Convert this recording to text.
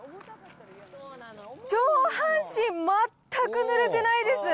上半身、全くぬれてないです。